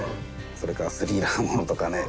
それからスリラーものとかね。